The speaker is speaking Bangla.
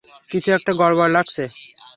কিছু একটা গড়বড় লাগছে।